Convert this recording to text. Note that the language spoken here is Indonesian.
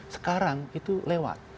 sekarang itu lewat